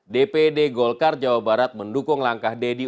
dpd golkar jawa barat mendukung langkah deddy